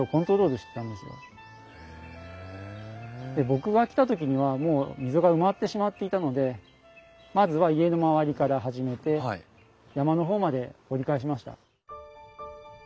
僕が来た時にはもう溝が埋まってしまっていたのでまずは家のまわりから始めて山の方まで掘り返しました。